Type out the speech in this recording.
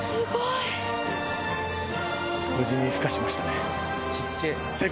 無事にふ化しましたね。